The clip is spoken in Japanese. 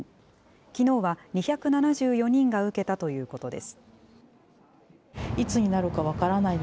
きのうは２７４人が受けたということです。